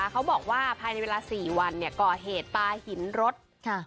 เขาบอกว่าภายในเวลา๔วันก่อเหตุปลาหินรถ